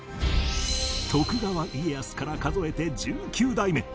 徳川家康から数えて１９代目